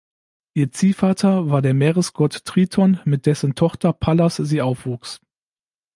Ihr Ziehvater war der Meeresgott Triton, mit dessen Tochter Pallas sie aufwuchs.